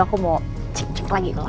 aku mau cek cek lagi